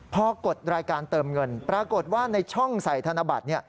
พอกดรายการเติมเงินปรากฏว่าในช่องใส่ธนบัตร